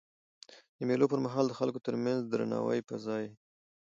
د مېلو پر مهال د خلکو ترمنځ د درناوي فضا يي.